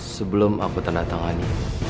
sebelum aku tanda tangani